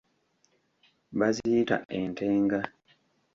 Baziyita entenga.